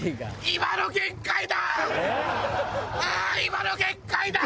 今の限界だ！